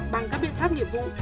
bằng các biện pháp nghiệp vụ